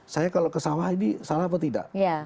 saya kalau kesawah ini salah atau tidak